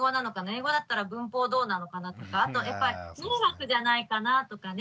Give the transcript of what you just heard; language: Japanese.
英語だったら文法どうなのかな？とかあとやっぱり迷惑じゃないかなとかね